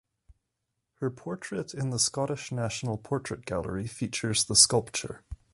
Her portrait in the Scottish National Portrait Gallery features the sculpture.